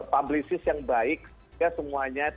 publis yang baik semuanya